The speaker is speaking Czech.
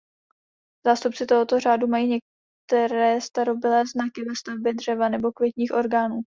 Zástupci tohoto řádu mají některé starobylé znaky ve stavbě dřeva nebo květních orgánů.